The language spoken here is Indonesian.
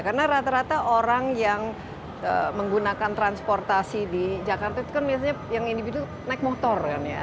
karena rata rata orang yang menggunakan transportasi di jakarta itu kan biasanya yang individu naik motor kan ya